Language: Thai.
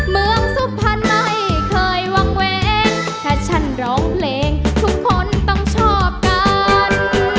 เมืองสุภัณฑ์ไม่เคยหวังเว้นถ้าฉันร้องเพลงคนต้องชอบก่อน